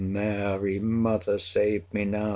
Mary mother, save me now!